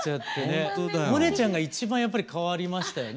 萌音ちゃんがいちばんやっぱり変わりましたよね。